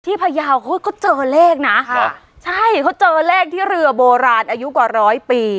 พยาวเขาก็เจอเลขนะครับใช่เขาเจอเลขที่เรือโบราณอายุกว่าร้อยปี